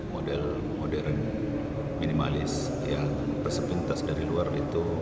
model model minimalis yang persepintas dari luar itu